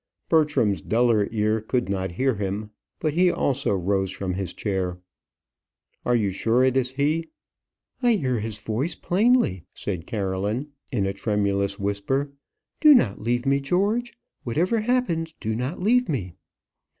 Bertram's duller ear could not hear him, but he also rose from his chair. "Are you sure it is he?" "I heard his voice plainly," said Caroline, in a tremulous whisper. "Do not leave me, George. Whatever happens, do not leave me."